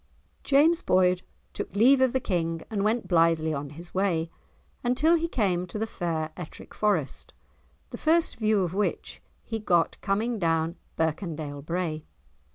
James Boyd took leave of the King and went blithely on his way, until he came to the fair Ettrick Forest, the first view of which he got coming down Birkendale Brae.